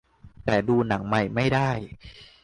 แต่ดูหนังใหม่ไม่ได้